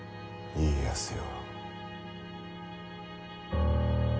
家康よ。